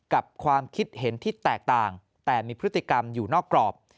ความคิดเห็นที่แตกต่างแต่มีพฤติกรรมอยู่นอกกรอบ